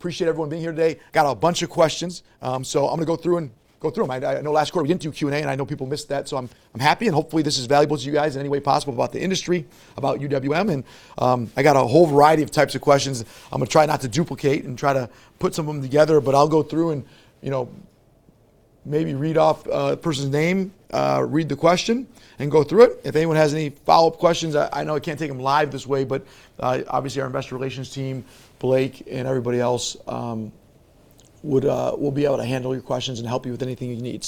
Appreciate everyone being here today. Got a bunch of questions. I'm gonna go through and go through them. I know last quarter we didn't do a Q&A, and I know people missed that. I'm happy, and hopefully this is valuable to you guys in any way possible about the industry, about UWM. I got a whole variety of types of questions. I'm gonna try not to duplicate and try to put some of them together, but I'll go through and, you know, maybe read off the person's name, read the question, and go through it. If anyone has any follow-up questions, I know I can't take them live this way, but obviously our investor relations team, Blake and everybody else, would will be able to handle your questions and help you with anything you need.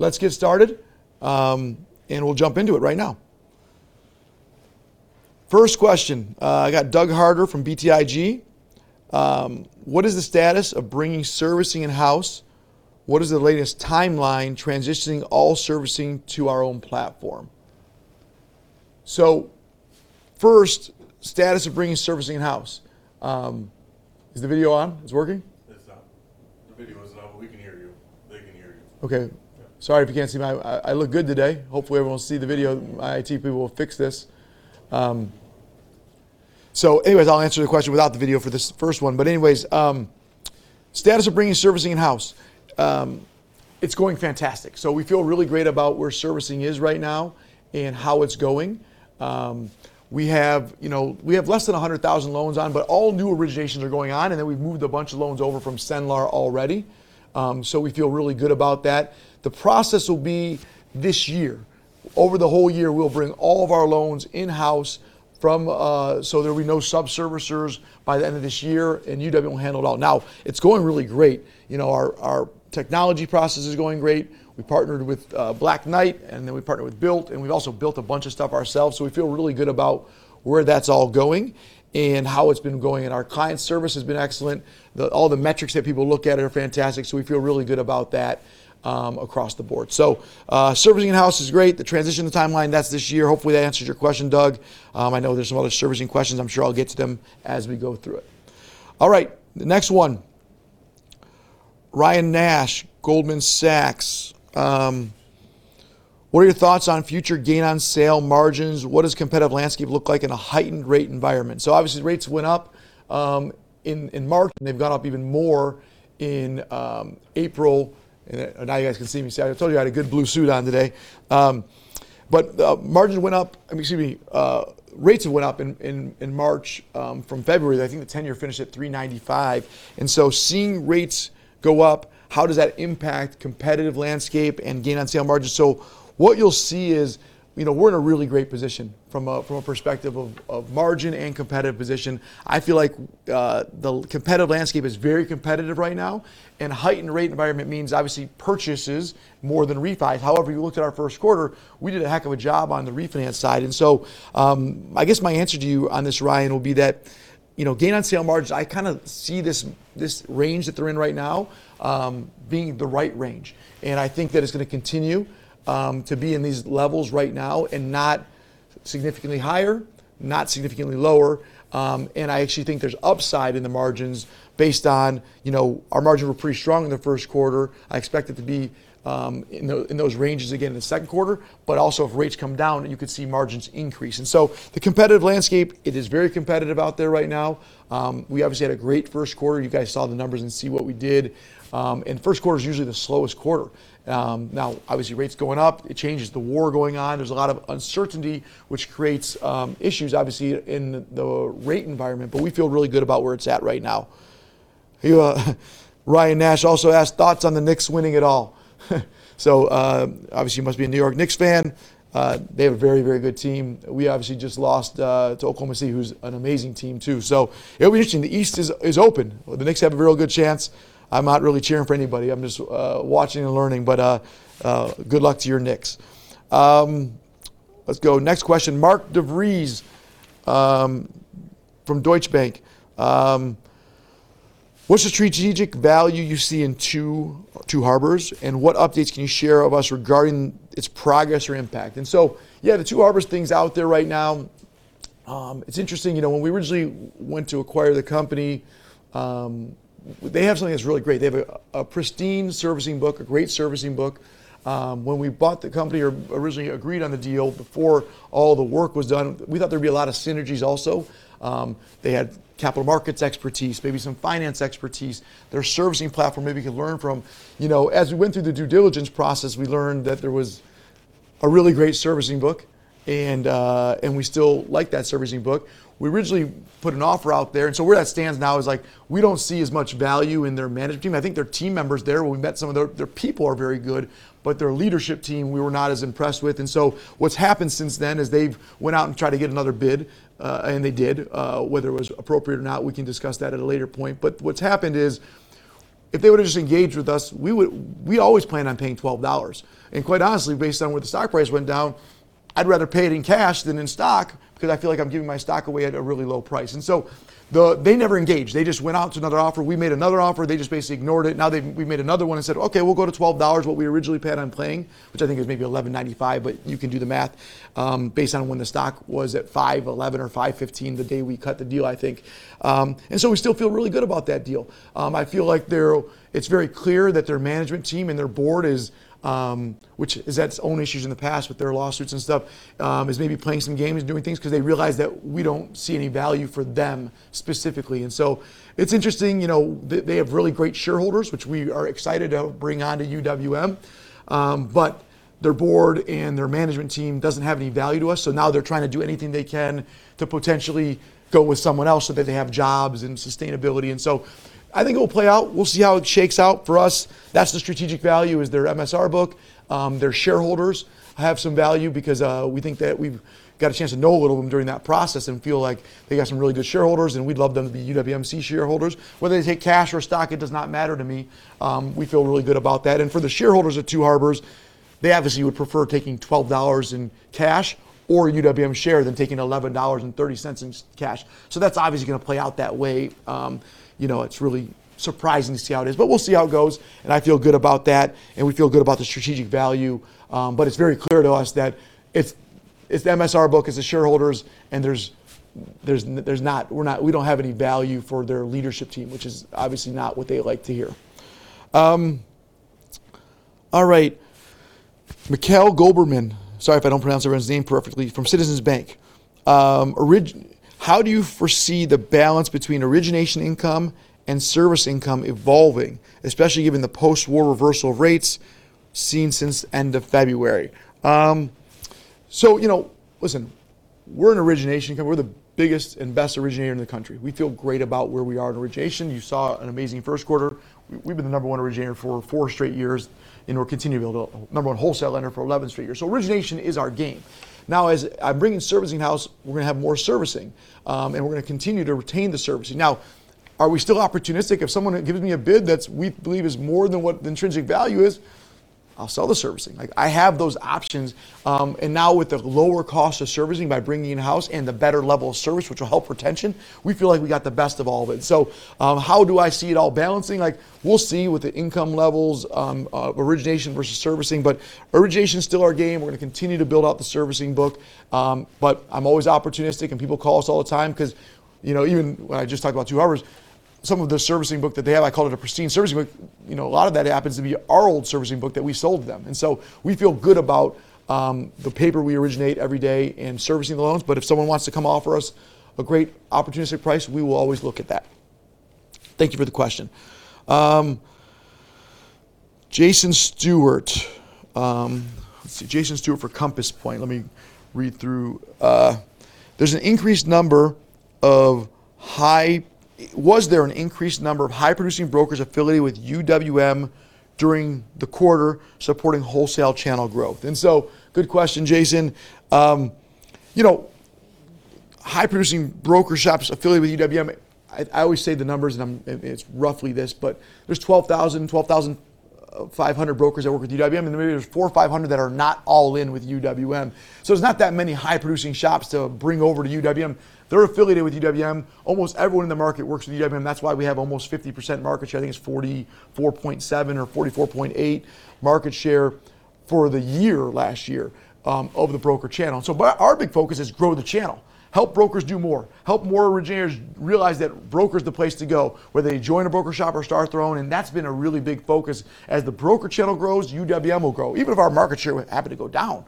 Let's get started, and we'll jump into it right now. First question. I got Doug Harter from BTIG. What is the status of bringing servicing in-house? What is the latest timeline transitioning all servicing to our own platform? First, status of bringing servicing in-house. Is the video on? It's working? It's not. The video is not, but we can hear you. They can hear you. Okay. Yeah. Sorry if you can't see me. I look good today. Hopefully everyone will see the video. My IT people will fix this. Anyways, I'll answer the question without the video for this first one. Anyways, status of bringing servicing in-house. It's going fantastic. We feel really great about where servicing is right now and how it's going. We have, you know, we have less than 100,000 loans on, all new originations are going on, we've moved a bunch of loans over from Cenlar already. We feel really good about that. The process will be this year. Over the whole year, we'll bring all of our loans in-house. There'll be no sub-servicers by the end of this year, UWM will handle it all. Now, it's going really great. You know, our technology process is going great. We partnered with Black Knight, we partnered with Bilt, we've also built a bunch of stuff ourselves, we feel really good about where that's all going and how it's been going. Our client service has been excellent. The, all the metrics that people look at are fantastic. We feel really good about that across the board. Servicing in-house is great. The transition, the timeline, that's this year. Hopefully that answers your question, Doug. I know there's some other servicing questions. I'm sure I'll get to them as we go through it. All right, the next one. Ryan Nash, Goldman Sachs. What are your thoughts on future gain on sale margins? What does competitive landscape look like in a heightened rate environment? Obviously rates went up in March, and they've gone up even more in April. Now you guys can see me. See, I told you I had a good blue suit on today. Rates have went up in March from February. I think the 10-year finished at 3.95. Seeing rates go up, how does that impact competitive landscape and gain on sale margins? What you'll see is, you know, we're in a really great position from a perspective of margin and competitive position. I feel like the competitive landscape is very competitive right now. Heightened rate environment means obviously purchases more than refi. However, you looked at our first quarter, we did a heck of a job on the refinance side. I guess my answer to you on this, Ryan, will be that, you know, gain on sale margins, I kinda see this range that they're in right now, being the right range. I think that it's gonna continue to be in these levels right now and not significantly higher, not significantly lower. I actually think there's upside in the margins based on, you know, our margins were pretty strong in the first quarter. I expect it to be in those ranges again in the second quarter. Also if rates come down, you could see margins increase. The competitive landscape, it is very competitive out there right now. We obviously had a great first quarter. You guys saw the numbers and see what we did. First quarter's usually the slowest quarter. Now obviously rate's going up. It changes. The war going on, there's a lot of uncertainty which creates issues obviously in the rate environment. We feel really good about where it's at right now. He, Ryan Nash also asked thoughts on the Knicks winning it all. Obviously he must be a New York Knicks fan. They have a very, very good team. We obviously just lost to Oklahoma City, who's an amazing team too. It'll be interesting. The East is open. The Knicks have a real good chance. I'm not really cheering for anybody. I'm just watching and learning. Good luck to your Knicks. Let's go. Next question. Mark DeVries, from Deutsche Bank. What's the strategic value you see in Two Harbors, and what updates can you share of us regarding its progress or impact? Yeah, the Two Harbors thing's out there right now. It's interesting. You know, when we originally went to acquire the company, they have something that's really great. They have a pristine servicing book, a great servicing book. When we bought the company or originally agreed on the deal before all the work was done, we thought there'd be a lot of synergies also. They had capital markets expertise, maybe some finance expertise, their servicing platform maybe we could learn from. You know, as we went through the due diligence process, we learned that there was a really great servicing book, and we still like that servicing book. We originally put an offer out there. Where that stands now is, like, we don't see as much value in their management team. I think their team members there, when we met some of their people are very good. Their leadership team we were not as impressed with. What's happened since then is they've went out and tried to get another bid, and they did. Whether it was appropriate or not, we can discuss that at a later point. What's happened is if they would have just engaged with us, We always planned on paying $12. Quite honestly, based on where the stock price went down, I'd rather pay it in cash than in stock 'cause I feel like I'm giving my stock away at a really low price. They never engaged. They just went out to another offer. We made another offer. They just basically ignored it. Now they've, we've made another one and said, "Okay, we'll go to $12," what we originally planned on paying, which I think is maybe $11.95, but you can do the math, based on when the stock was at $5.11 or $5.15 the day we cut the deal, I think. We still feel really good about that deal. I feel like it's very clear that their management team and their board is, which has had its own issues in the past with their lawsuits and stuff, is maybe playing some games doing things 'cause they realize that we don't see any value for them specifically. It's interesting. You know, they have really great shareholders, which we are excited to bring on to UWM. But their board and their management team doesn't have any value to us, so now they're trying to do anything they can to potentially go with someone else so that they have jobs and sustainability. I think it will play out. We'll see how it shakes out for us. That's the strategic value is their MSR book. Their shareholders have some value because we think that we've got a chance to know a little of them during that process and feel like they got some really good shareholders, and we'd love them to be UWMC shareholders. Whether they take cash or stock, it does not matter to me. We feel really good about that. For the shareholders at Two Harbors, they obviously would prefer taking $12 in cash or UWM shares than taking $11.30 in cash. That's obviously gonna play out that way. You know, it's really surprising to see how it is, we'll see how it goes, I feel good about that, we feel good about the strategic value. But it's very clear to us that it's the MSR book, it's the shareholders, and we're not, we don't have any value for their leadership team, which is obviously not what they like to hear. All right. Mikhail Goberman, sorry if I don't pronounce everyone's name perfectly, from Citizens. How do you foresee the balance between origination income and service income evolving, especially given the post-war reversal of rates seen since end of February? You know, listen, we're in origination. We're the biggest and best originator in the country. We feel great about where we are in origination. You saw an amazing first quarter. We, we've been the number one originator for four straight years, and we'll continue to be the number one wholesale lender for 11 straight years. Origination is our game. As I bring in servicing in-house, we're gonna have more servicing, and we're gonna continue to retain the servicing. Are we still opportunistic? If someone gives me a bid we believe is more than what the intrinsic value is, I'll sell the servicing. Like, I have those options. Now with the lower cost of servicing by bringing in-house and the better level of service, which will help retention, we feel like we got the best of all of it. How do I see it all balancing? Like, we'll see with the income levels, origination versus servicing, but origination's still our game. We're gonna continue to build out the servicing book. But I'm always opportunistic, and people call us all the time 'cause, you know, even when I just talked about Two Harbors, some of the servicing book that they have, I called it a pristine servicing book. You know, a lot of that happens to be our old servicing book that we sold them. We feel good about the paper we originate every day and servicing the loans. If someone wants to come offer us a great opportunistic price, we will always look at that. Thank you for the question. Jason Stewart. Let's see, Jason Stewart for Compass Point. Let me read through. Was there an increased number of high-producing brokers affiliated with UWM during the quarter supporting wholesale channel growth? Good question, Jason. You know, high-producing broker shops affiliated with UWM, I always say the numbers, and it's roughly this, there's 12,500 brokers that work with UWM, and maybe there's 400 or 500 that are not all in with UWM. There's not that many high-producing shops to bring over to UWM. They're affiliated with UWM. Almost everyone in the market works with UWM. That's why we have almost 50% market share. I think it's 44.7% or 44.8% market share for the year, last year, of the broker channel. Our big focus is grow the channel, help brokers do more, help more originators realize that broker's the place to go, whether they join a broker shop or start their own, and that's been a really big focus. As the broker channel grows, UWM will grow, even if our market share would happen to go down.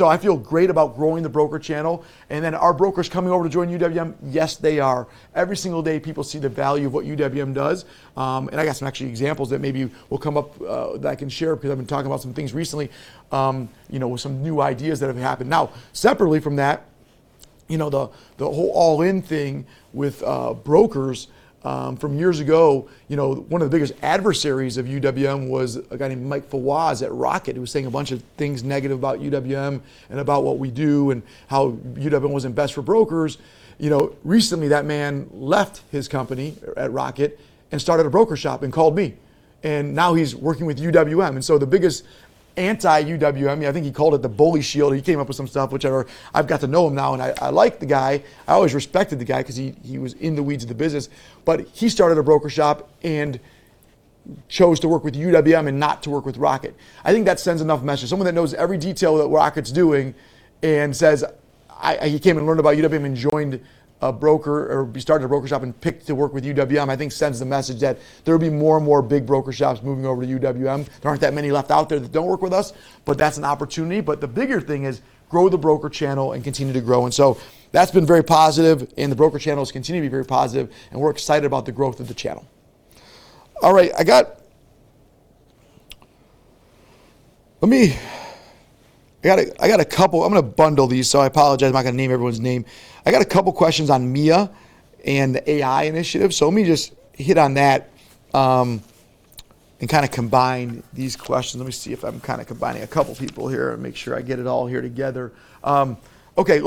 I feel great about growing the broker channel, and then are brokers coming over to join UWM? Yes, they are. Every single day, people see the value of what UWM does. I got some actually examples that maybe will come up that I can share because I've been talking about some things recently, you know, with some new ideas that have happened. Now, separately from that, you know, the whole all-in thing with brokers from years ago, you know, one of the biggest adversaries of UWM was a guy named Mike Fawaz at Rocket, who was saying a bunch of things negative about UWM and about what we do and how UWM wasn't best for brokers. You know, recently that man left his company at Rocket and started a broker shop and called me, and now he's working with UWM. So the biggest anti-UWM, you know, I think he called it the bully shield. He came up with some stuff, whichever. I've got to know him now, and I like the guy. I always respected the guy because he was in the weeds of the business. He started a broker shop and chose to work with UWM and not to work with Rocket. I think that sends enough message. Someone that knows every detail that Rocket's doing and says, He came and learned about UWM and joined a broker or started a broker shop and picked to work with UWM, I think sends the message that there will be more and more big broker shops moving over to UWM. There aren't that many left out there that don't work with us, but that's an opportunity. The bigger thing is grow the broker channel and continue to grow. That's been very positive, and the broker channel is continuing to be very positive, and we're excited about the growth of the channel. All right, I got a couple. I'm gonna bundle these, so I apologize. I'm not gonna name everyone's name. I got a couple questions on Mia and the AI initiative, so let me just hit on that and kinda combine these questions. Let me see if I'm kinda combining a couple people here and make sure I get it all here together. Okay,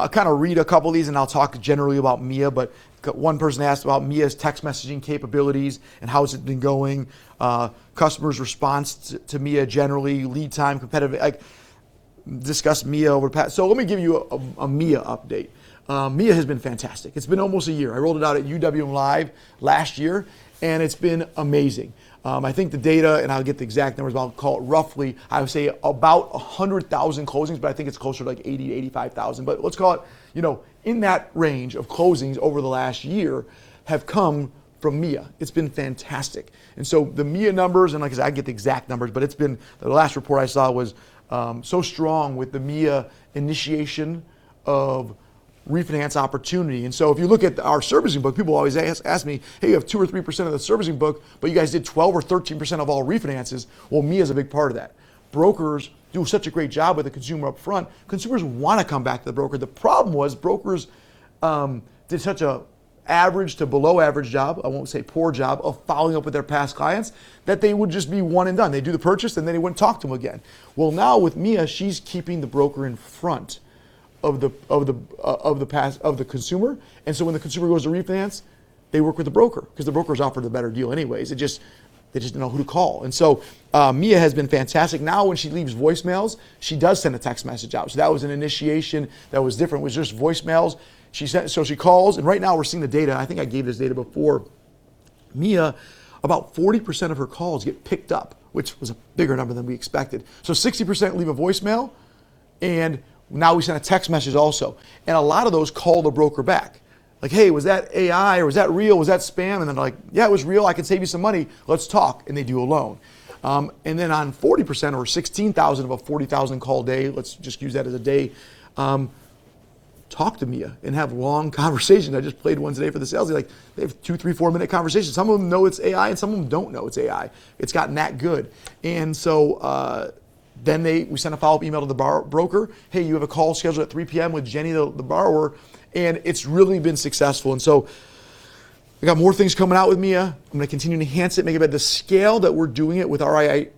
I'll kinda read a couple of these, and I'll talk generally about Mia, but got one person asked about Mia's text messaging capabilities and how has it been going, customer's response to Mia generally, lead time, competitive, like, discuss Mia. Let me give you a Mia update. Mia has been fantastic. It's been almost a year. I rolled it out at UWM LIVE! last year, and it's been amazing. I think the data, and I'll get the exact numbers, but I'll call it roughly, I would say about 100,000 closings, but I think it's closer to, like, 80,000-85,000. Let's call it, you know, in that range of closings over the last year have come from Mia. It's been fantastic. The Mia numbers, and like I said, I can get the exact numbers, but the last report I saw was so strong with the Mia initiation of refinance opportunity. If you look at our servicing book, people always ask me, "Hey, you have 2% or 3% of the servicing book, but you guys did 12% or 13% of all refinances." Well, Mia is a big part of that. Brokers do such a great job with the consumer up front, consumers want to come back to the broker. The problem was brokers did such an average to below average job, I won't say poor job, of following up with their past clients, that they would just be one and done. They'd do the purchase, they wouldn't talk to them again. Now with Mia, she's keeping the broker in front of the consumer, when the consumer goes to refinance, they work with the broker, 'cause the brokers offered the better deal anyways. They just didn't know who to call. Mia has been fantastic. Now when she leaves voicemails, she does send a text message out, so that was an initiation that was different. It was just voicemails. So she calls, right now we're seeing the data, I think I gave this data before. Mia, about 40% of her calls get picked up, which was a bigger number than we expected. 60% leave a voicemail, now we send a text message also. A lot of those call the broker back. Like, "Hey, was that AI or was that real? Was that spam?" "Yeah, it was real. I can save you some money. Let's talk." They do a loan. On 40%, or 16,000 of a 40,000 call day, let's just use that as a day, talk to Mia and have long conversation. I just played one today for the sales, they like, they have two, three, four minute conversations. Some of them know it's AI and some of them don't know it's AI. It's gotten that good. We send a follow-up email to the broker, "Hey, you have a call scheduled at 3:00 P.M. with Jenny, the borrower," and it's really been successful. We got more things coming out with Mia. I'm gonna continue to enhance it, make it the scale that we're doing it with our AI,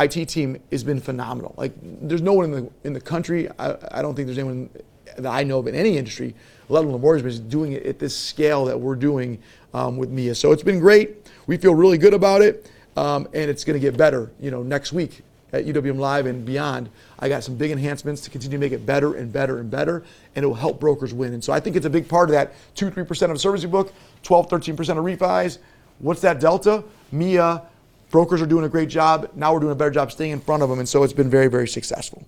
IT team has been phenomenal. Like, there's no one in the country, I don't think there's anyone that I know of in any industry, let alone the mortgage business, doing it at this scale that we're doing with Mia. It's been great. We feel really good about it's gonna get better. You know, next week at UWM LIVE! and beyond, I got some big enhancements to continue to make it better and better and better, it will help brokers win. I think it's a big part of that 2, 3% of the servicing book, 12, 13% of refis. What's that delta? Mia. Brokers are doing a great job. We're doing a better job staying in front of them, it's been very, very successful.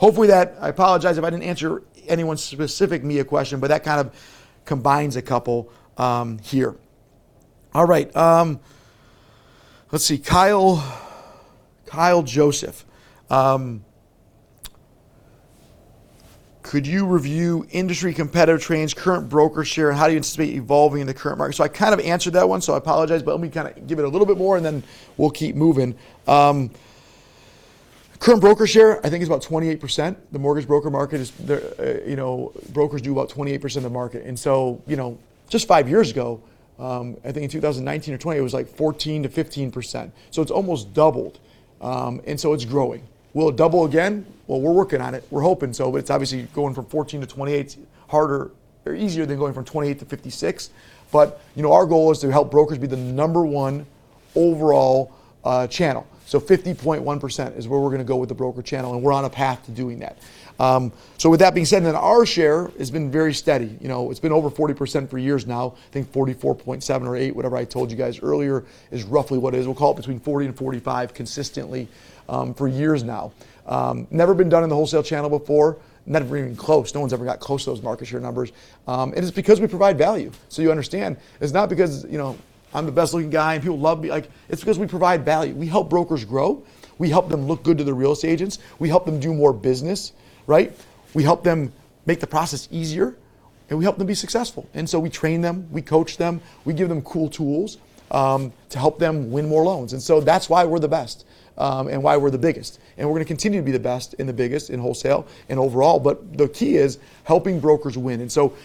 Hopefully that I apologize if I didn't answer anyone's specific Mia question, but that kind of combines a couple here. All right. Let's see. Kyle Joseph. Could you review industry competitor trends, current broker share, and how do you anticipate evolving in the current market? I kind of answered that one, I apologize, let me kinda give it a little bit more, then we'll keep moving. Current broker share I think is about 28%. The mortgage broker market is, you know, brokers do about 28% of the market. You know, just five years ago, I think in 2019 or 2020, it was like 14%-15%, it's almost doubled. It's growing. Will it double again? Well, we're working on it. We're hoping so, it's obviously going from 14 to 28's harder or easier than going from 28 to 56. You know, our goal is to help brokers be the number 1 overall channel. 50.1% is where we're going to go with the broker channel, and we're on a path to doing that. With that being said, our share has been very steady. You know, it's been over 40% for years now. I think 44.7 or eight, whatever I told you guys earlier, is roughly what it is. We'll call it between 40 and 45 consistently for years now. Never been done in the wholesale channel before, never even close. No one's ever got close to those market share numbers. It's because we provide value, you understand. It's not because, you know, I'm the best looking guy and people love me. Like, it's because we provide value. We help brokers grow. We help them look good to the real estate agents. We help them do more business, right? We help them make the process easier, and we help them be successful. We train them, we coach them, we give them cool tools to help them win more loans. That's why we're the best and why we're the biggest. We're gonna continue to be the best and the biggest in wholesale and overall, but the key is helping brokers win.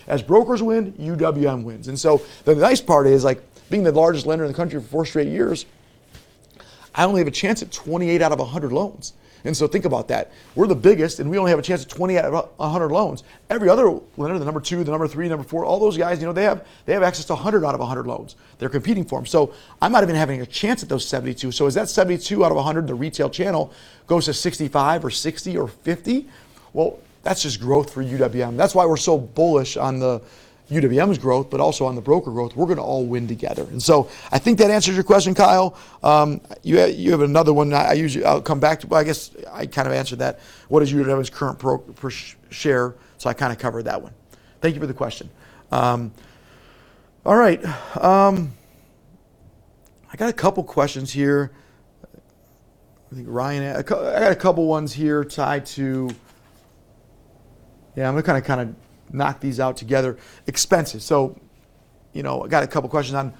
As brokers win, UWM wins. The nice part is, like, being the largest lender in the country for four straight years, I only have a chance at 28 out of 100 loans. Think about that. We're the biggest, we only have a chance at 20 out of 100 loans. Every other lender, the number two, the number three, number four, all those guys, you know, they have access to 100 out of 100 loans they're competing for. I'm not even having a chance at those 72. As that 72 out of 100, the retail channel, goes to 65 or 60 or 50, well, that's just growth for UWM. That's why we're so bullish on the UWM's growth, but also on the broker growth. We're gonna all win together. I think that answers your question, Kyle. You have another one. Well, I guess I kind of answered that. "What is UWM's current pro- share?" I kinda covered that one. Thank you for the question. All right. I got a couple questions here. I think Ryan, I got a couple ones here tied to Yeah, I'm gonna kinda knock these out together. Expenses. You know, I got a couple questions on,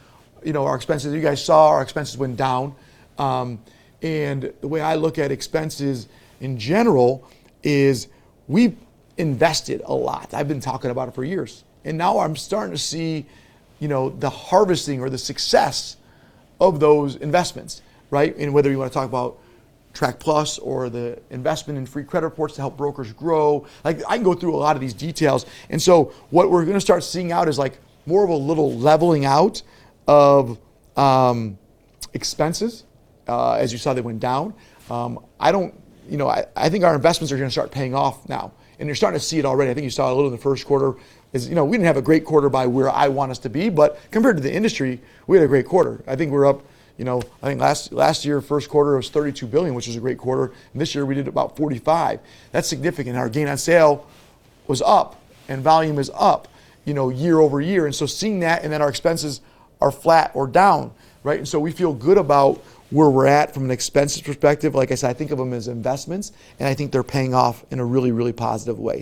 you know, our expenses. You guys saw our expenses went down. The way I look at expenses in general is we've invested a lot. I've been talking about it for years. Now I'm starting to see, you know, the harvesting or the success of those investments, right? Whether you wanna talk about TRAC+ or the investment in free credit reports to help brokers grow, like I can go through a lot of these details. What we're gonna start seeing out is, like, more of a little leveling out of expenses. As you saw, they went down. I don't, you know, I think our investments are gonna start paying off now, and you're starting to see it already. I think you saw a little in the first quarter, is, you know, we didn't have a great quarter by where I want us to be, but compared to the industry, we had a great quarter. I think we're up, you know, I think last year, first quarter was $32 billion, which was a great quarter, and this year we did about $45 billion. That's significant. Our gain on sale was up and volume is up. You know, year-over-year. Seeing that and then our expenses are flat or down, right? We feel good about where we're at from an expenses perspective. Like I said, I think of them as investments, and I think they're paying off in a really, really positive way.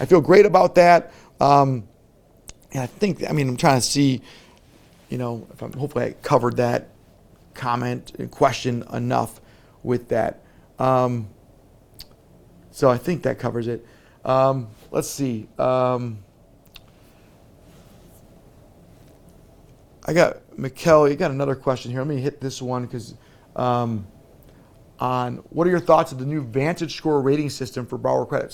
I feel great about that. I think I mean, I'm trying to see, you know, if I'm hopefully I covered that comment and question enough with that. I think that covers it. Let's see. I got Mikhail, you got another question here. Let me hit this one 'cause, on what are your thoughts of the new VantageScore rating system for borrower credit?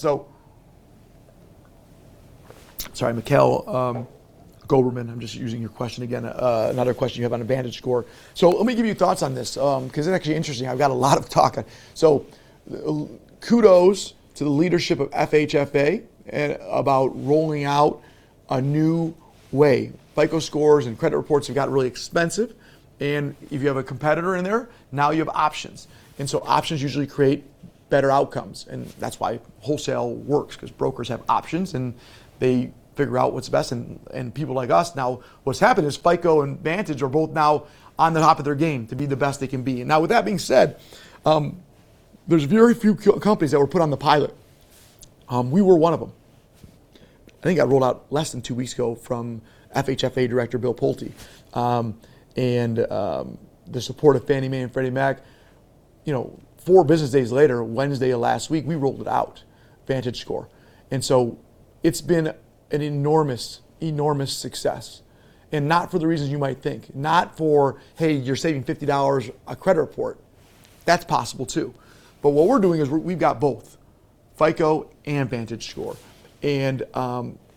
Sorry, Mikhail Goberman, I'm just using your question again. Another question you have on a VantageScore. Let me give you thoughts on this, 'cause it's actually interesting. I've got a lot of talk. Kudos to the leadership of FHFA and about rolling out a new way. FICO scores and credit reports have got really expensive, and if you have a competitor in there, now you have options. Options usually create better outcomes, and that's why wholesale works 'cause brokers have options and they figure out what's best and people like us. What's happened is FICO and Vantage are both now on the top of their game to be the best they can be. There's very few companies that were put on the pilot. We were one of them. I think it got rolled out less than two weeks ago from FHFA Director Bill Pulte, and the support of Fannie Mae and Freddie Mac. You know, four business days later, Wednesday of last week, we rolled it out, VantageScore. It's been an enormous success, and not for the reasons you might think. Not for, "Hey, you're saving $50 a credit report." That's possible too. What we're doing is we've got both FICO and VantageScore.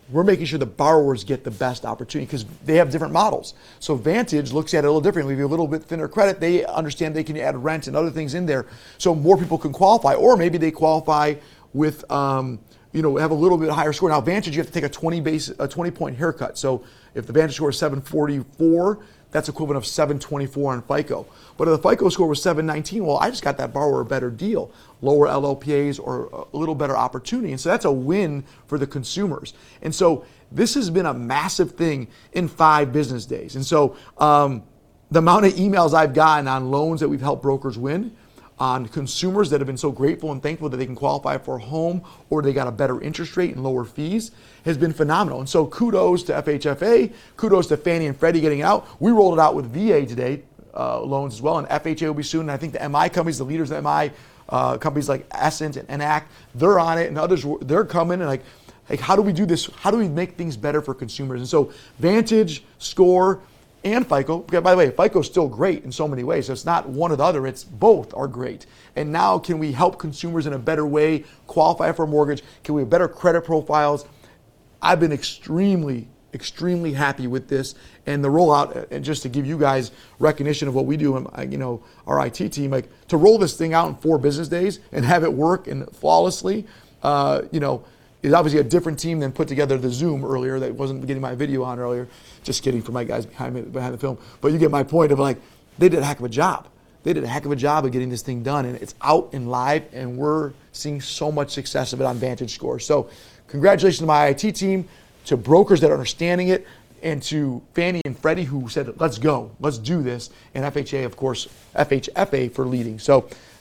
We're making sure the borrowers get the best opportunity because they have different models. Vantage looks at it a little differently. If you have a little bit thinner credit, they understand they can add rent and other things in there so more people can qualify, or maybe they qualify with, you know, have a little bit higher score. Vantage, you have to take a 20-point haircut. If the VantageScore is 744, that's equivalent of 724 on FICO. If the FICO score was 719, well, I just got that borrower a better deal, lower LLPAs or a little better opportunity. That's a win for the consumers. This has been a massive thing in five business days. The amount of emails I've gotten on loans that we've helped brokers win on consumers that have been so grateful and thankful that they can qualify for a home, or they got a better interest rate and lower fees, has been phenomenal. Kudos to FHFA. Kudos to Fannie and Freddie getting it out. We rolled it out with VA today, loans as well, and FHA will be soon. I think the MI companies, the leaders of MI companies like Essent and Enact, they're on it and others were They're coming and like how do we do this? How do we make things better for consumers? VantageScore and FICO By the way, FICO is still great in so many ways. It's not one or the other. It's both are great. Now can we help consumers in a better way qualify for a mortgage? Can we have better credit profiles? I've been extremely happy with this and the rollout, just to give you guys recognition of what we do and, you know, our IT team. Like, to roll this thing out in four business days and have it work and flawlessly, you know, is obviously a different team than put together the Zoom earlier that wasn't getting my video on earlier. Just kidding for my guys behind me, behind the film. You get my point of, like, they did a heck of a job. They did a heck of a job of getting this thing done, it's out and live, and we're seeing so much success of it on VantageScore. Congratulations to my IT team, to brokers that are understanding it, and to Fannie and Freddie who said, "Let's go. Let's do this," and FHA, of course, FHFA for leading.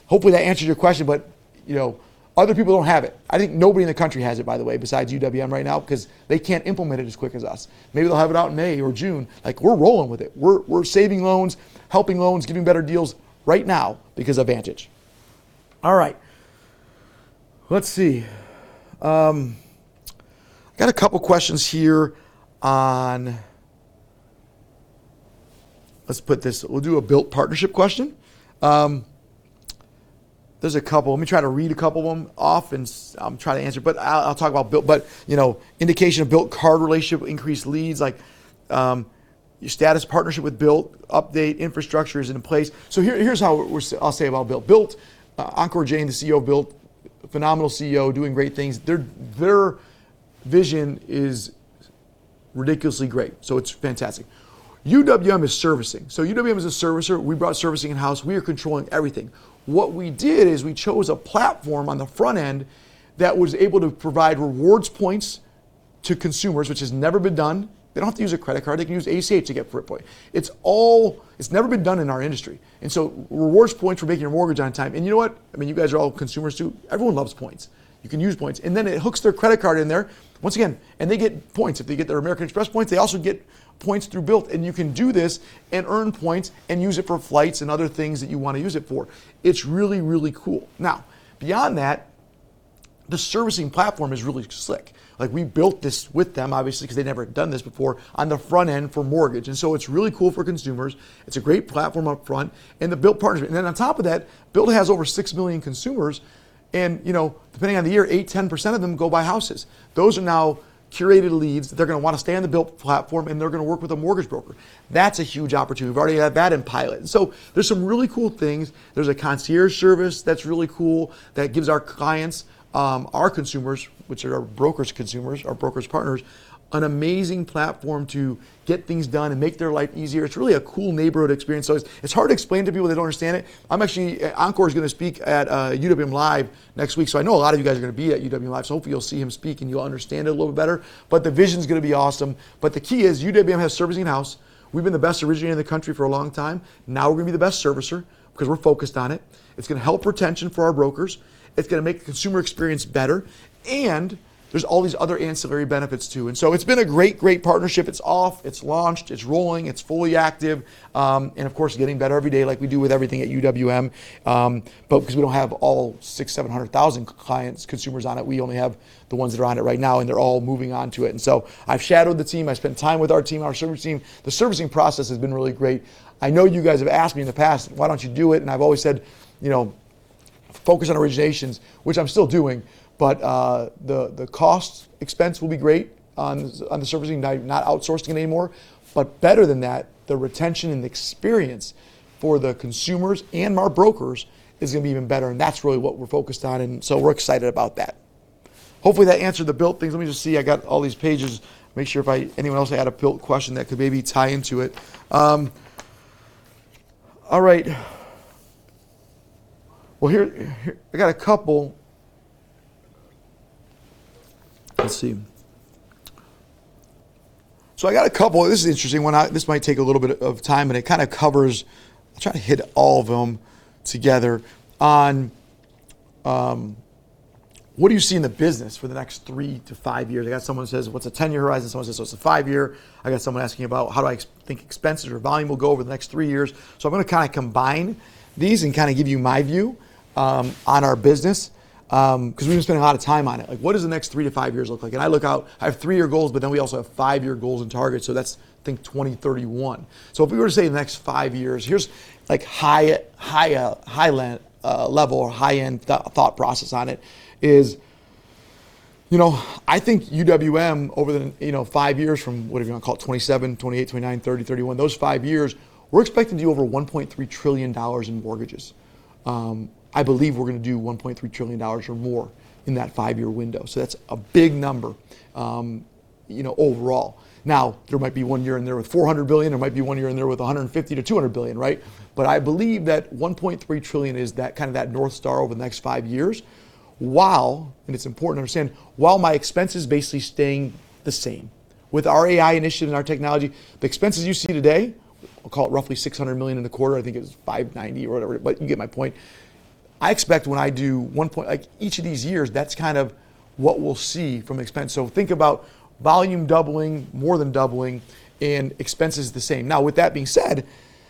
Hopefully that answers your question, but, you know, other people don't have it. I think nobody in the country has it, by the way, besides UWM right now because they can't implement it as quick as us. Maybe they'll have it out in May or June. Like, we're rolling with it. We're saving loans, helping loans, giving better deals right now because of Vantage. All right. Let's see. I got a couple questions here on Let's put this. We'll do a Bilt partnership question. There's a couple. Let me try to read a couple of them off and try to answer, but I'll talk about Bilt. You know, indication of Bilt card relationship increased leads, like, your status partnership with Bilt, infrastructure is in place. Here's how I'll say about Bilt. Bilt, Ankur Jain, the CEO of Bilt, phenomenal CEO, doing great things. Their vision is ridiculously great, it's fantastic. UWM is servicing. UWM is a servicer. We brought servicing in-house. We are controlling everything. What we did is we chose a platform on the front end that was able to provide rewards points to consumers, which has never been done. They don't have to use a credit card. They can use ACH to get a point. It's never been done in our industry. Rewards points for making your mortgage on time. You know what? I mean, you guys are all consumers too. Everyone loves points. You can use points. It hooks their credit card in there, once again, and they get points. If they get their American Express points, they also get points through Bilt. You can do this and earn points and use it for flights and other things that you wanna use it for. It's really, really cool. Beyond that, the servicing platform is really slick. We built this with them, obviously, 'cause they've never done this before, on the front end for mortgage. It's really cool for consumers. It's a great platform up front. On top of that, Bilt has over 6 million consumers, and, you know, depending on the year, 8%, 10% of them go buy houses. Those are now-curated leads. They're gonna wanna stay on the Bilt platform, and they're gonna work with a mortgage broker. That's a huge opportunity. We've already had that in pilot. There's some really cool things. There's a concierge service that's really cool that gives our clients, our consumers, which are our brokers consumers, our brokers partners, an amazing platform to get things done and make their life easier. It's really a cool neighborhood experience. It's, it's hard to explain to people that don't understand it. I'm actually Ankur Jain is going to speak at UWM LIVE! next week, so I know a lot of you guys are going to be at UWM LIVE!, so hopefully you'll see him speak and you'll understand it a little better. The vision's going to be awesome. The key is UWM has servicing in-house. We've been the best originator in the country for a long time. Now we're going to be the best servicer because we're focused on it. It's going to help retention for our brokers. It's gonna make the consumer experience better, there's all these other ancillary benefits, too. It's been a great partnership. It's off. It's launched. It's rolling. It's fully active, and of course, getting better every day like we do with everything at UWM. Because we don't have all 6.7 million consumers on it. We only have the ones that are on it right now, and they're all moving onto it. I've shadowed the team. I spent time with our team, our servicing team. The servicing process has been really great. I know you guys have asked me in the past, "Why don't you do it?" I've always said, you know, "Focus on originations," which I'm still doing. The cost expense will be great on the servicing now you're not outsourcing it anymore. Better than that, the retention and experience for the consumers and our brokers is gonna be even better. That's really what we're focused on. We're excited about that. Hopefully, that answered the Bilt things. Let me just see. I got all these pages. Make sure if anyone else had a Bilt question that could maybe tie into it. All right. Well, here, I got a couple. Let's see. I got a couple. This is an interesting one. This might take a little bit of time. I'll try to hit all of them together on what do you see in the business for the next three to five years? I got someone who says, "What's a ten-year horizon?" Someone says, "What's a five-year?" I got someone asking about, how do I think expenses or volume will go over the next three years? I'm gonna kinda combine these and kinda give you my view on our business 'cause we've been spending a lot of time on it. Like, what does the next three to five years look like? I look out, I have three-year goals, but then we also have five-year goals and targets, so that's, I think, 2031. If we were to say the next five years, here's a high level or high-end thought process on it. I think UWM over the five years from, whatever you wanna call it, 2027, 2028, 2029, 2030, 2031, those five years, we're expecting to do over $1.3 trillion in mortgages. I believe we're gonna do $1.3 trillion or more in that five-year window, that's a big number overall. There might be one year in there with $400 billion. There might be one year in there with $150 billion-$200 billion. I believe that $1.3 trillion is that kinda North Star over the next five years while, and it's important to understand, while my expenses basically staying the same. With our AI initiative and our technology, the expenses you see today, we'll call it roughly $600 million in the quarter, I think it was 590 or whatever, but you get my point, I expect when I do one point Like, each of these years, that's kind of what we'll see from expense. Think about volume doubling, more than doubling and expenses the same. With that being said,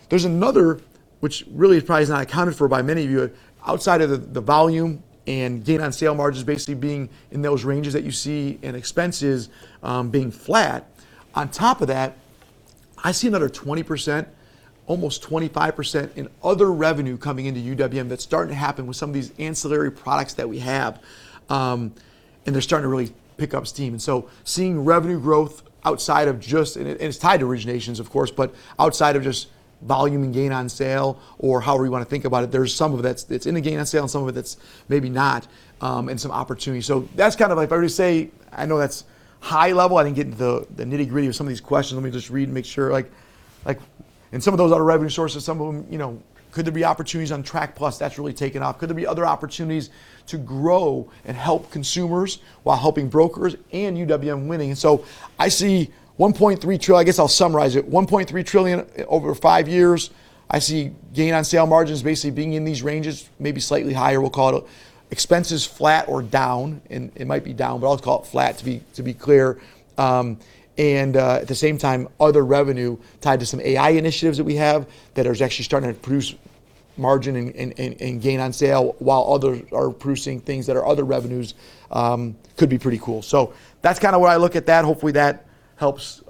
there's another, which really is probably is not accounted for by many of you, outside of the volume and gain on sale margins basically being in those ranges that you see and expenses being flat. On top of that, I see another 20%, almost 25% in other revenue coming into UWM that's starting to happen with some of these ancillary products that we have. They're starting to really pick up steam. Seeing revenue growth outside of just and it's tied to originations, of course, but outside of just volume and gain on sale or however you want to think about it, there's some of it that's in the gain on sale and some of it that's maybe not, and some opportunities. That's kind of like if I were to say, I know that's high level. I didn't get into the nitty-gritty of some of these questions. Let me just read and make sure. Some of those other revenue sources, some of them, you know, could there be opportunities on TRAC+ that's really taking off? Could there be other opportunities to grow and help consumers while helping brokers and UWM winning? I see $1.3 trillion. I guess I'll summarize it. $1.3 trillion over five years. I see gain on sale margins basically being in these ranges, maybe slightly higher, we'll call it. Expenses flat or down. It might be down, but I'll call it flat to be clear. At the same time, other revenue tied to some AI initiatives that we have that is actually starting to produce margin and gain on sale while others are producing things that are other revenues, could be pretty cool. That's kinda where I look at that. Hopefully, that helps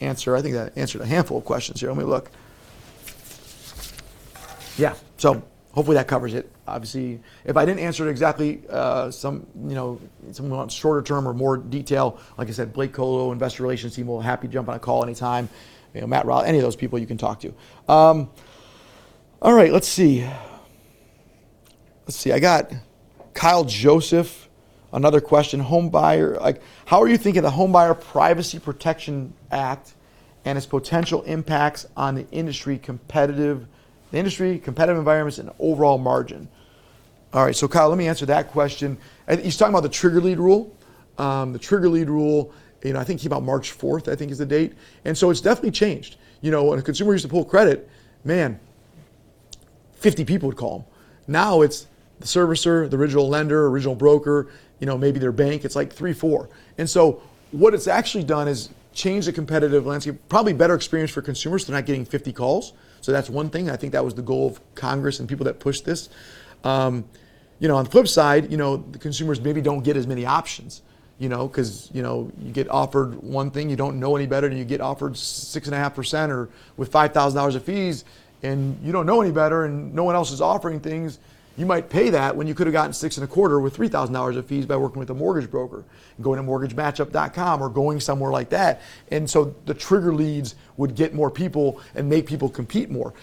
answer. I think that answered a handful of questions here. Let me look. Yeah. Hopefully that covers it. Obviously, if I didn't answer it exactly, someone wants shorter term or more detail, like I said, Blake Kolo, investor relations team will happy to jump on a call anytime. You know, Matt Roslin, any of those people you can talk to. All right. Let's see. Let's see. I got Kyle Joseph, another question. Home buyer. Like, how are you thinking the Homebuyers Privacy Protection Act and its potential impacts on the industry competitive environments and overall margin? All right, Kyle, let me answer that question. He's talking about the trigger lead rule. The trigger lead rule, you know, I think about March 4th, I think is the date. It's definitely changed. You know, when a consumer used to pull credit, man, 50 people would call them. Now, it's the servicer, the original lender, original broker, you know, maybe their bank. It's, like, three, four. What it's actually done is change the competitive landscape. Probably a better experience for consumers. They're not getting 50 calls, that's 1 thing. I think that was the goal of Congress and people that pushed this. You know, on the flip side, you know, the consumers maybe don't get as many options, you know, 'cause, you know, you get offered one thing you don't know any better, and you get offered 6.5% or with $5,000 of fees, and you don't know any better and no one else is offering things, you might pay that when you could've gotten 6.25% with $3,000 of fees by working with a mortgage broker and going to mortgagematchup.com or going somewhere like that. The trigger leads would get more people and make people compete more.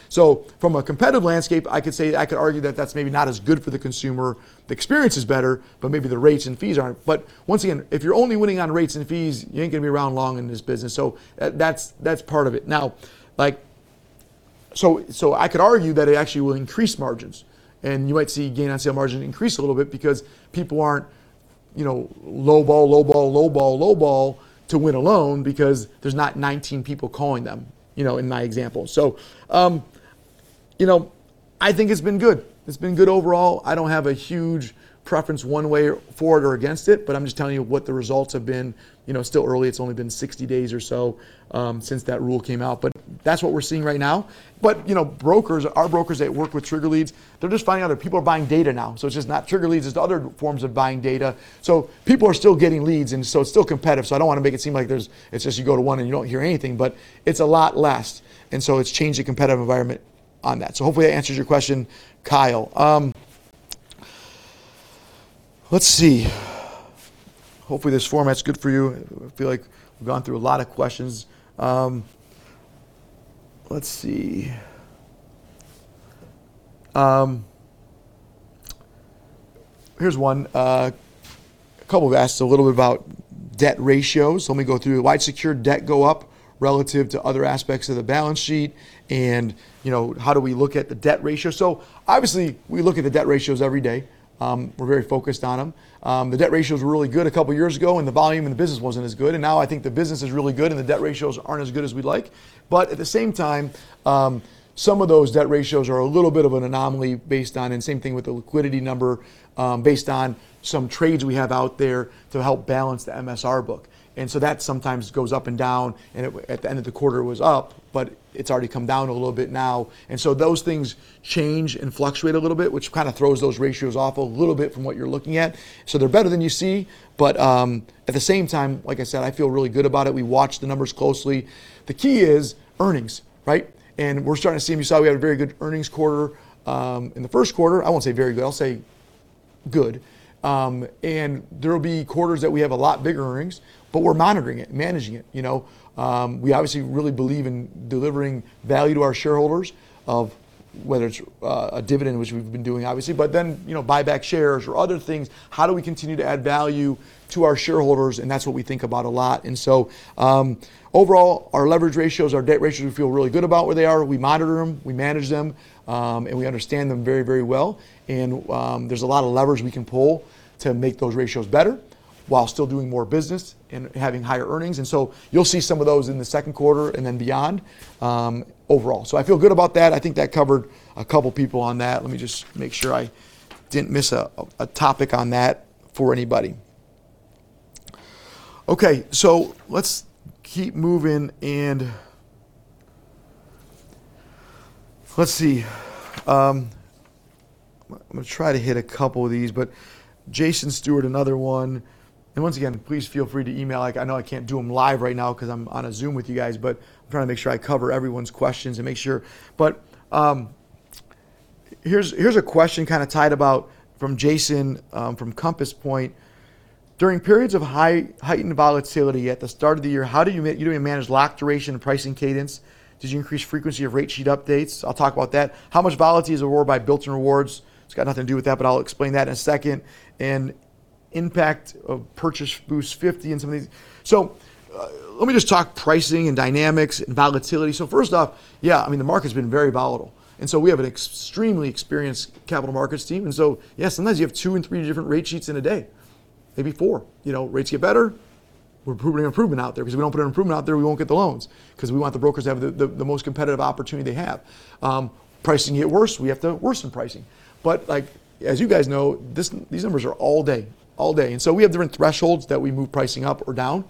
From a competitive landscape, I could say, I could argue that that's maybe not as good for the consumer. The experience is better, but maybe the rates and fees aren't. Once again, if you're only winning on rates and fees, you ain't gonna be around long in this business. That's part of it. Now, I could argue that it actually will increase margins and you might see gain on sale margin increase a little bit because people aren't, you know, lowball, lowball to win a loan because there's not 19 people calling them, you know, in my example. You know, I think it's been good. It's been good overall. I don't have a huge preference one way for it or against it, but I'm just telling you what the results have been. You know, still early, it's only been 60 days or so, since that rule came out, but that's what we're seeing right now. You know, brokers, our brokers that work with trigger leads, they're just finding other people are buying data now. It's just not trigger leads, it's other forms of buying data. People are still getting leads and so it's still competitive, so I don't want to make it seem like there's, it's just you go to one and you don't hear anything, but it's a lot less. It's changed the competitive environment on that. Hopefully that answers your question, Kyle. Let's see. Hopefully this format's good for you. I feel like we've gone through a lot of questions. Let's see. Here's one. A couple have asked a little bit about debt ratios, so let me go through. Why did secure debt go up relative to other aspects of the balance sheet? You know, how do we look at the debt ratio? Obviously we look at the debt ratios every day. We're very focused on them. The debt ratios were really good a couple of years ago and the volume and the business wasn't as good. Now I think the business is really good and the debt ratios aren't as good as we'd like. At the same time, some of those debt ratios are a little bit of an anomaly based on, and same thing with the liquidity number, based on some trades we have out there to help balance the MSR book. That sometimes goes up and down, and it, at the end of the quarter was up, but it's already come down a little bit now. Those things change and fluctuate a little bit, which kind of throws those ratios off a little bit from what you're looking at. They're better than you see, but, at the same time, like I said, I feel really good about it. We watch the numbers closely. The key is earnings, right? We're starting to see, we had a very good earnings quarter in the first quarter. I won't say very good, I'll say good. There will be quarters that we have a lot bigger earnings, but we're monitoring it, managing it, you know. We obviously really believe in delivering value to our shareholders of whether it's a dividend, which we've been doing obviously, but then, you know, buy back shares or other things. How do we continue to add value to our shareholders? That's what we think about a lot. Overall, our leverage ratios, our debt ratios, we feel really good about where they are. We monitor them, we manage them, and we understand them very, very well. There's a lot of levers we can pull to make those ratios better while still doing more business and having higher earnings. You'll see some of those in the second quarter and then beyond, overall. I feel good about that. I think that covered a couple people on that. Let me just make sure I didn't miss a topic on that for anybody. Let's keep moving and let's see. I'm gonna try to hit a couple of these, but Jason Stewart, another one. Once again, please feel free to email. Like I know I can't do them live right now because I'm on a Zoom with you guys, I'm trying to make sure I cover everyone's questions and make sure. Here's a question kind of tied about from Jason from Compass Point. During periods of high heightened volatility at the start of the year, how do you manage lock duration and pricing cadence? Did you increase frequency of rate sheet updates? I'll talk about that. How much volatility is rewarded by Bilt Rewards? It's got nothing to do with that, but I'll explain that in a second. Impact of Purchase Boost 50 and some of these. Let me just talk pricing and dynamics and volatility. First off, yeah, I mean, the market's been very volatile. We have an extremely experienced capital markets team. Yeah, sometimes you have two and three different rate sheets in a day, maybe four. You know, rates get better, we're approving improvement out there, because if we don't put an improvement out there, we won't get the loans, because we want the brokers to have the most competitive opportunity they have. Pricing get worse, we have to worsen pricing. As you guys know, these numbers are all day. We have different thresholds that we move pricing up or down.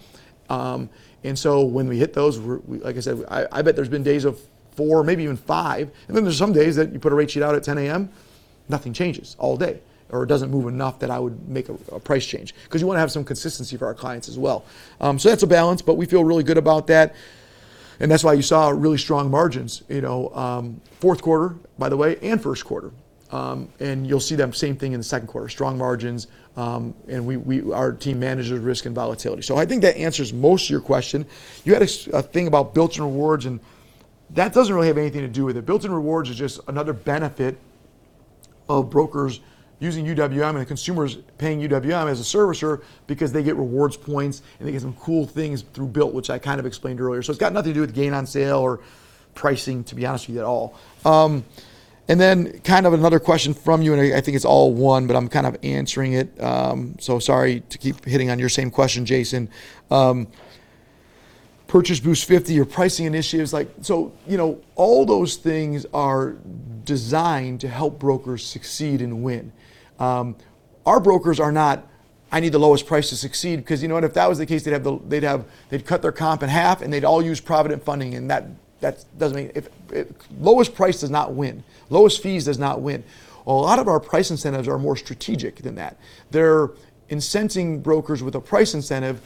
When we hit those, we're like I said, I bet there's been days of four, maybe even five. There's some days that you put a rate sheet out at 10:00 A.M., nothing changes all day, or it doesn't move enough that I would make a price change. You want to have some consistency for our clients as well. That's a balance, but we feel really good about that. That's why you saw really strong margins, you know, fourth quarter, by the way, and first quarter. You'll see them, same thing in the second quarter, strong margins, and we, our team manages risk and volatility. I think that answers most of your question. You had a thing about Bilt Rewards, and that doesn't really have anything to do with it. Bilt Rewards is just another benefit of brokers using UWM and consumers paying UWM as a servicer because they get rewards points and they get some cool things through Bilt, which I kind of explained earlier. It's got nothing to do with gain on sale or pricing, to be honest with you, at all. Then kind of another question from you, and I think it's all one, but I'm kind of answering it. Sorry to keep hitting on your same question, Jason. Purchase Boost 50 or pricing initiatives like, you know, all those things are designed to help brokers succeed and win. Our brokers are not, "I need the lowest price to succeed," because you know what? If that was the case, they'd cut their comp in half and they'd all use Provident Funding and that doesn't make. If lowest price does not win. Lowest fees does not win. A lot of our price incentives are more strategic than that. They're incenting brokers with a price incentive,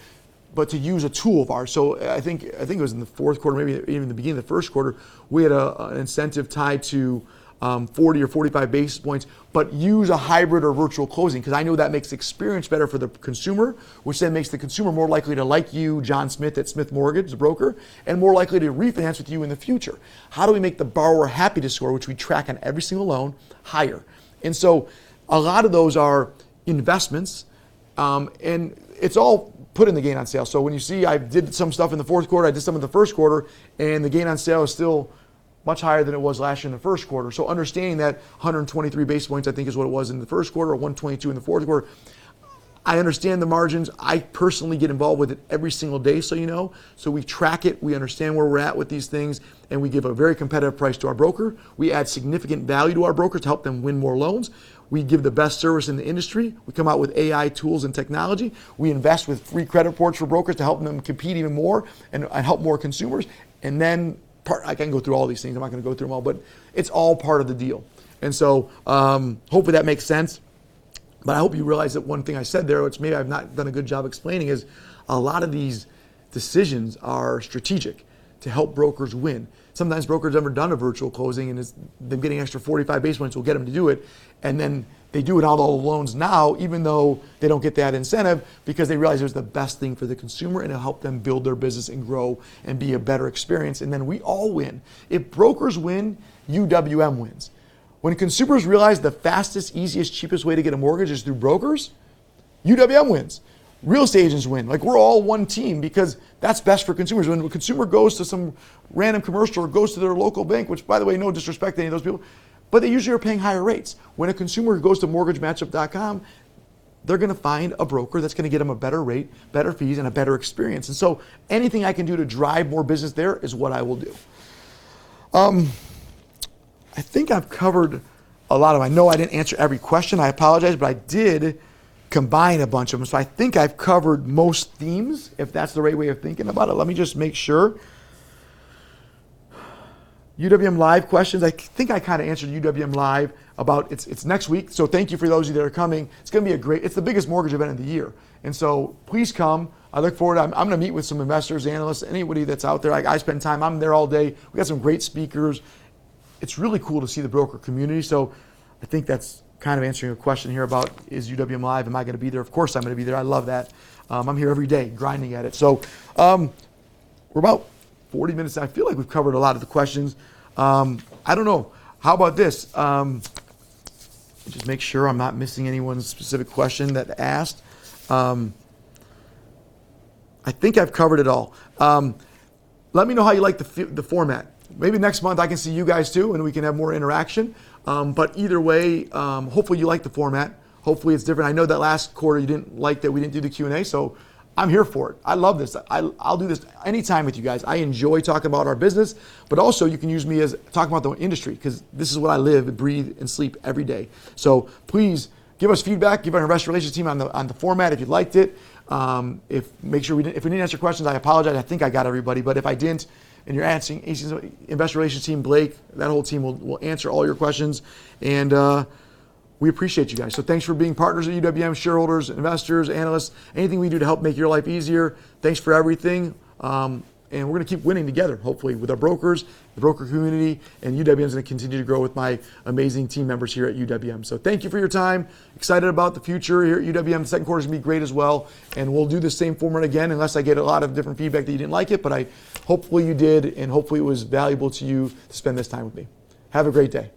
but to use a tool of ours. I think it was in the fourth quarter, maybe even the beginning of the first quarter, we had an incentive tied to 40 or 45 basis points, but use a hybrid or virtual closing, because I know that makes the experience better for the consumer, which then makes the consumer more likely to like you, John Smith at Smith Mortgage, the broker, and more likely to refinance with you in the future. How do we make the Borrower Happiness Score, which we track on every single loan, higher? A lot of those are investments. And it's all put in the gain on sale. When you see I did some stuff in the fourth quarter, I did some in the first quarter, and the gain on sale is still much higher than it was last year in the first quarter. Understanding that 123 basis points I think is what it was in the first quarter, or 122 in the fourth quarter, I understand the margins. I personally get involved with it every single day, you know. We track it, we understand where we're at with these things, and we give a very competitive price to our broker. We add significant value to our brokers to help them win more loans. We give the best service in the industry. We come out with AI tools and technology. We invest with free credit reports for brokers to help them compete even more and help more consumers. I can go through all these things. I'm not gonna go through them all, but it's all part of the deal. Hopefully that makes sense. I hope you realize that one thing I said there, which maybe I've not done a good job explaining, is a lot of these decisions are strategic to help brokers win. Sometimes brokers have never done a virtual closing, and it's them getting extra 45 basis points will get them to do it, and then they do it on all the loans now, even though they don't get that incentive, because they realize it was the best thing for the consumer, and it helped them build their business and grow and be a better experience, and then we all win. If brokers win, UWM wins. When consumers realize the fastest, easiest, cheapest way to get a mortgage is through brokers, UWM wins. Real estate agents win. Like, we're all one team, because that's best for consumers. When a consumer goes to some random commercial or goes to their local bank, which by the way, no disrespect to any of those people, but they usually are paying higher rates. When a consumer goes to mortgagematchup.com, they're gonna find a broker that's gonna get them a better rate, better fees, and a better experience. Anything I can do to drive more business there is what I will do. I think I've covered a lot of I know I didn't answer every question. I apologize, I did combine a bunch of them. I think I've covered most themes, if that's the right way of thinking about it. Let me just make sure. UWM LIVE! questions. I think I kinda answered UWM LIVE! about, it's next week, thank you for those of you that are coming. It's the biggest mortgage event of the year. Please come. I look forward. I'm gonna meet with some investors, analysts, anybody that's out there. Like, I spend time. I'm there all day. We got some great speakers. It's really cool to see the broker community. I think that's kind of answering your question here about is UWM LIVE!, am I gonna be there? Of course, I'm gonna be there. I love that. I'm here every day grinding at it. We're about 40 minutes in. I feel like we've covered a lot of the questions. I don't know. How about this? Let me just make sure I'm not missing anyone's specific question that asked. I think I've covered it all. Let me know how you like the format. Maybe next month I can see you guys too, and we can have more interaction. Either way, hopefully you like the format. Hopefully it's different. I know that last quarter you didn't like that we didn't do the Q&A, I'm here for it. I love this. I'll do this any time with you guys. I enjoy talking about our business, also you can use me as, talking about the industry, 'cause this is what I live, breathe, and sleep every day. Please give us feedback, give our investor relations team on the, on the format if you liked it. If, make sure if we didn't answer your questions, I apologize. I think I got everybody, if I didn't and you're asking, ask investor relations team, Blake, that whole team will answer all your questions. We appreciate you guys. Thanks for being partners at UWM, shareholders, investors, analysts. Anything we do to help make your life easier, thanks for everything. We're gonna keep winning together, hopefully, with our brokers, the broker community, and UWM's gonna continue to grow with my amazing team members here at UWM. Thank you for your time. Excited about the future here at UWM. Second quarter's gonna be great as well, and we'll do the same format again, unless I get a lot of different feedback that you didn't like it. Hopefully you did, and hopefully it was valuable to you to spend this time with me. Have a great day.